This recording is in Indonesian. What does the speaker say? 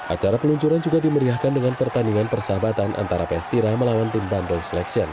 acara peluncuran juga dimeriahkan dengan pertandingan persahabatan antara pstira melawan tim bantul